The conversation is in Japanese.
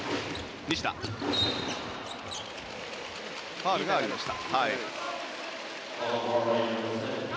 ファウルがありました。